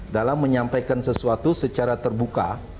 dalam menyampaikan sesuatu secara terbuka